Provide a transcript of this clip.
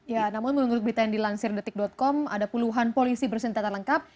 ya namun menurut berita yang dilansir detik com ada puluhan polisi bersenjata lengkap